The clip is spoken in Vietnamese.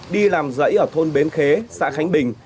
đi làm dãy ở thôn bến khế xã khánh bình